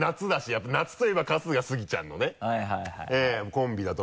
やっぱり夏といえば春日スギちゃんのねコンビだと思うんで。